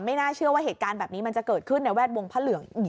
ไม่น่าเชื่อว่าเหตุการณ์แบบนี้มันจะเกิดขึ้นในแวดวงพระเหลือง